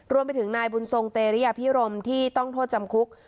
รวมไปถึงนายบุญทรงเตรียพิรมที่ต้องโทษจำคุก